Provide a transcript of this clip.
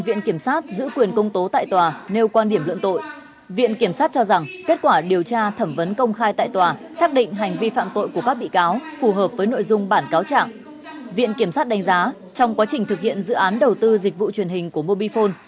viện kiểm sát đánh giá trong quá trình thực hiện dự án đầu tư dịch vụ truyền hình của mobifone